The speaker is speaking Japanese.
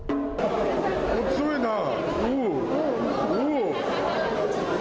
強いなー。